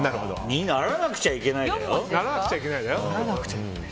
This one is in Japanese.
ならなくちゃいけないだよ？